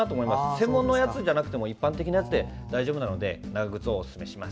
専門のやつじゃなくても一般的なやつで大丈夫なので長靴をおすすめします。